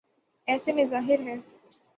ایسے میں ظاہر ہے۔